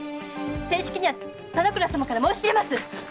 正式には田之倉様から申し入れます！